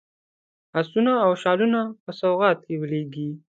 آسونه او شالونه په سوغات کې ولېږلي.